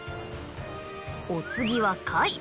お次は貝。